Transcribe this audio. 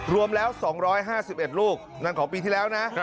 รวมแล้ว๒๕๑ลูกนั่นของปีที่แล้วนะ